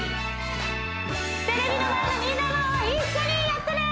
テレビの前のみんなも一緒にやってね！